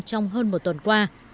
trong hơn một tuần qua